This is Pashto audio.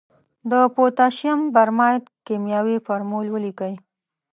د پوتاشیم برماید کیمیاوي فورمول ولیکئ.